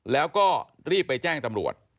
แล้วก็รีบไปแจ้งตำรวจ